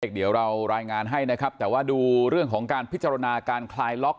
เดี๋ยวเรารายงานให้นะครับแต่ว่าดูเรื่องของการพิจารณาการคลายล็อก